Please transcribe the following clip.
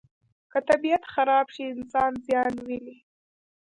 که طبیعت خراب شي، انسان زیان ویني.